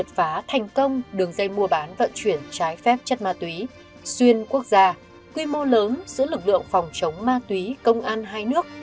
là vụ án ma túy công an hai nước